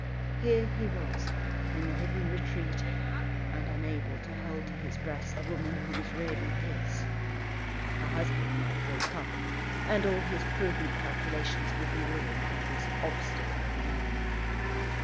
Here he was, in a hidden retreat, and unable to hold to his breast the woman who was really his. Her husband might wake up and all his prudent calculations would be ruined by this obstacle of a man.